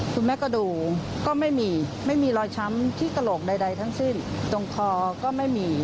คุณแม่ก็ดูก็ไม่มีไม่มีรอยช้ำที่กระโหลกใดทั้งสิ้นตรงคอก็ไม่มี